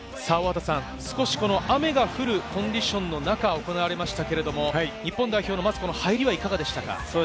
少し雨が降るコンディションの中行われましたが、日本代表の入りはいかがでしたか？